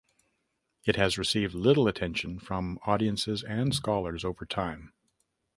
It has received little attention from audiences and scholars over time.